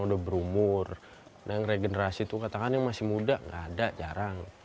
udah berumur yang regenerasi itu katakan yang masih muda nggak ada jarang